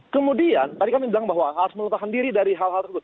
kemudian tadi kami bilang bahwa harus meletakkan diri dari hal hal tersebut